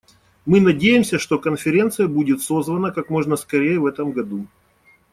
Мы надеемся, что конференция будет созвана как можно скорее в этом году.